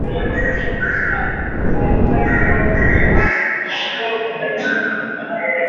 Omdurman na mwingine mjini Khartoum madaktari wanaounga mkono jamuhuri ya Kidemokrasia ya Kongo